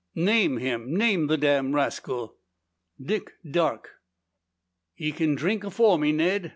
"Name him! Name the damned rascal!" "Dick Darke." "Ye kin drink afore me, Ned.